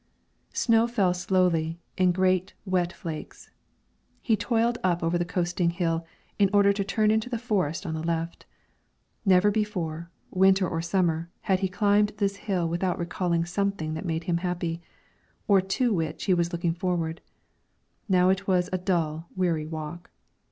Snow fell slowly, in great, wet flakes; he toiled up over the coasting hill, in order to turn into the forest on the left. Never before, winter or summer, had he climbed this hill without recalling something that made him happy, or to which he was looking forward. Now it was a dull, weary walk.